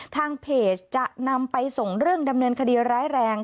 ทางเพจจะนำไปส่งเรื่องดำเนินคดีร้ายแรง